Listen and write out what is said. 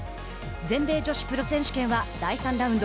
全米女子プロ選手権は第３ラウンド。